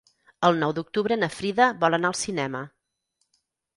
El nou d'octubre na Frida vol anar al cinema.